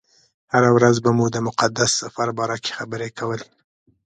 هره ورځ به مو د مقدس سفر باره کې خبرې کولې.